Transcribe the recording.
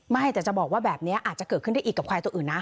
ไม่แต่จะบอกว่าแบบนี้อาจจะเกิดขึ้นได้อีกกับควายตัวอื่นนะ